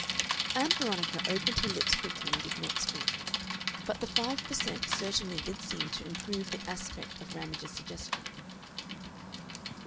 Ann Veronica opened her lips quickly and did not speak. But the five per cent. certainly did seem to improve the aspect of Ramage's suggestion.